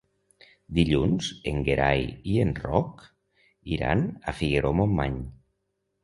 Dilluns en Gerai i en Roc iran a Figaró-Montmany.